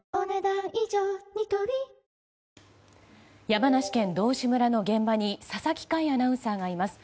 山梨県道志村の現場に佐々木快アナウンサーがいます。